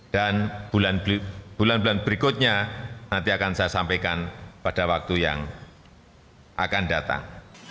dan bulan bulan berikutnya nanti akan saya sampaikan pada waktu yang akan datang